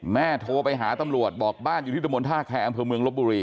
โทรไปหาตำรวจบอกบ้านอยู่ที่ตะบนท่าแคร์อำเภอเมืองลบบุรี